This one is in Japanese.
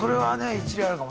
一理あるかも。